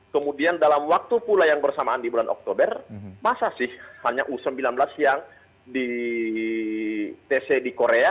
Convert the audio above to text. kemudian dalam waktu pula yang bersamaan di bulan oktober masa sih hanya u sembilan belas yang di tc di korea